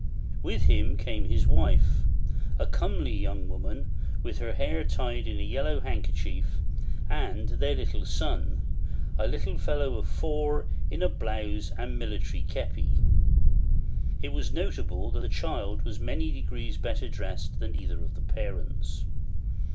With him came his wife, a comely young woman with her hair tied in a yellow kerchief, and their son, a little fellow of four, in a blouse and military képi. It was notable that the child was many degrees better dressed than either of the parents.